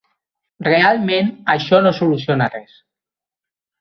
Realment, això no soluciona res.